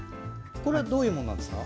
これは、どういうものですか？